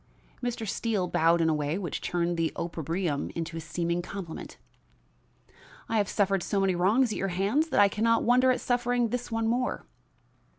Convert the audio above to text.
Mr. Steele bowed in a way which turned the opprobrium into a seeming compliment. "I have suffered so many wrongs at your hands that I can not wonder at suffering this one more."